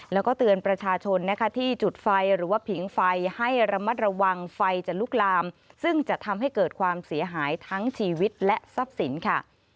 แล้วก็เตือนประชาชนนะคะที่จุดไฟหรือว่าผิงไฟให้ระมัดระวังไฟจะลุกลามซึ่งจะทำให้เกิดความเสียหายทั้งชีวิตและทรัพย์สินค่ะ